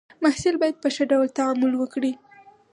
محصل باید په ښه ډول تعامل وکړي.